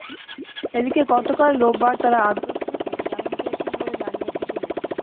এদিকে গতকাল রোববার তাঁরা আদালত থেকে জামিন পেয়েছেন বলে জানিয়েছে পুলিশ।